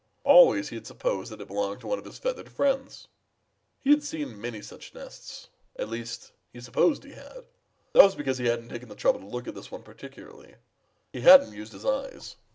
Always he had supposed that it belonged to one of his feathered friends. He had seen many such nests. At least, he supposed he had. That was because he hadn't taken the trouble to look at this one particularly. He hadn't used his eyes.